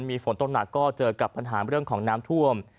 มีฝนตกหนักก็เจอกับปัญหาเรื่องของน้ำท่วม